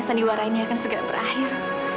sandiwara ini akan segera berakhir